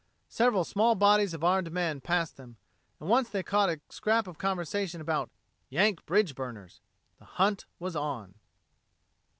Several small bodies of armed men passed them, and once they caught a scrap of conversation about "Yank bridge burners." The hunt was on.